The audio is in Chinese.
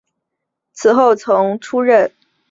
此后曾出任州众议院多数党领袖。